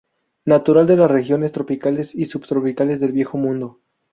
Natural de las regiones tropicales y subtropicales del viejo Mundo.